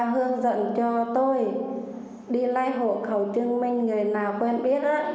hương dẫn cho tôi đi lai hộ khẩu chứng minh người nào quen biết